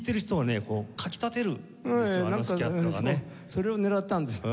それを狙ったんですよ。